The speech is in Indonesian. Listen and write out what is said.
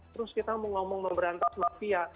terus kita mau ngomong memberantas mafia